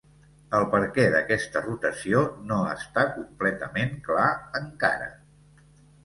El perquè d'aquesta rotació no està completament clar, encara.